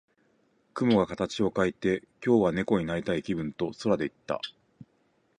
雲が形を変えて、「今日は猫になりたい気分」と空で言った。